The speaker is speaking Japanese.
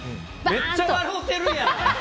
めっちゃ笑うてるやん！